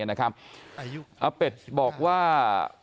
อาเป็ดบอกว่า